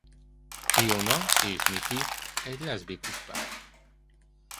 Fiona és Mickey egy leszbikus pár.